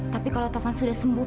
tapi kalau tovan sudah sembuh